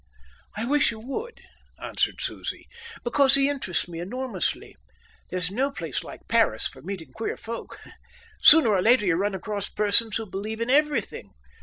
"I wish you would," answered Susie, "because he interests me enormously. There's no place like Paris for meeting queer folk. Sooner or later you run across persons who believe in everything.